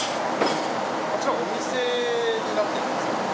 こちらお店になってるんですか？